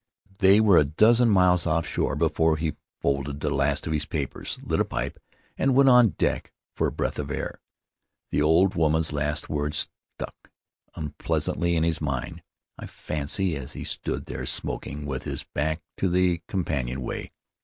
They were a dozen miles offshore before he The Land of Ahu Ahu folded the last of his papers, lit a pipe, and went on deck for a breath of air. The old woman's last words stuck unpleasantly in his mind, I fancy, as he stood there smoking, with his back to the companionway.